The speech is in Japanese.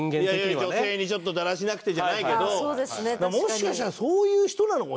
女性にちょっとだらしなくてじゃないけど。